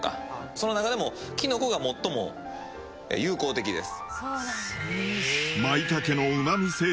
その中でもきのこが最も有効的です。